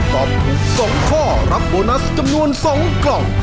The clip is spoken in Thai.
ตอบถูก๒ข้อรับโบนัสจำนวน๒กล่อง